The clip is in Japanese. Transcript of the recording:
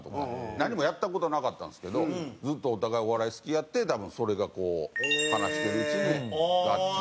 何もやった事なかったんですけどずっとお互いお笑い好きやって多分それがこう話してるうちに合致して。